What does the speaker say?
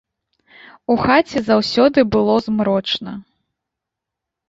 У хаце заўсёды было змрочна.